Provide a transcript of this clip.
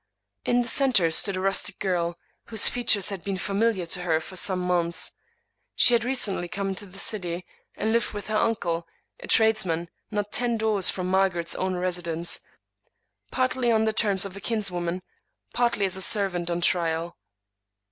In the center stood a rustic girl, whose features had been familiar to her for some months. She had recently come into the city, and had lived with her uncle, a tradesman, not ten doors from Margaret's own residence, partly on the terms of a kins woman, partly as a servant on trial.